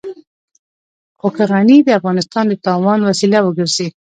خو که غني د افغانستان د تاوان وسيله وګرځي.